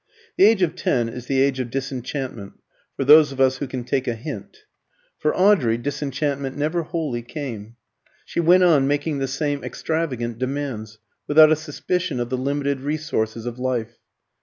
The age of ten is the age of disenchantment for those of us who can take a hint. For Audrey disenchantment never wholly came. She went on making the same extravagant demands, without a suspicion of the limited resources of life.